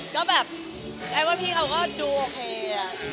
ก็แบบไอ้ว่าพี่เขาก็ดูโอเคอะ